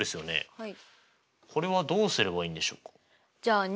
はい。